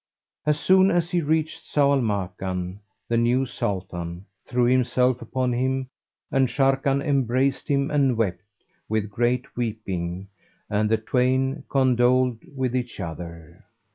[FN#381] As soon as he reached Zau al Makan, the new Sultan threw himself upon him, and Sharrkan embraced him and wept with great weeping and the twain condoled with each other.